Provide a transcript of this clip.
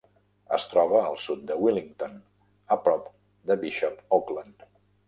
Es troba al sud de Willington, a prop de Bishop Auckland.